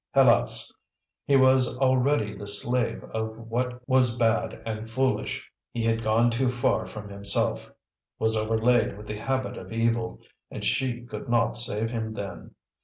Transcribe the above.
Helas! he was already the slave of what was bad and foolish, he had gone too far from himself, was overlaid with the habit of evil, and she could not save him then.